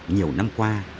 nhiều năm qua